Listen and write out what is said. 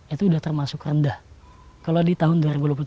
itu sudah termasuk rendah kalau di tahun dua ribu dua puluh satu